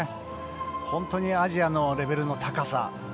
本当にアジアのレベルの高さ。